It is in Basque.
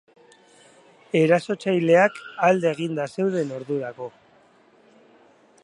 Erasotzaileak alde eginda zeuden ordurako.